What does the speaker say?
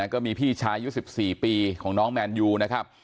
ก็มีพี่ชายอายุ๑๔ปีของน้องแมนยูนะครับ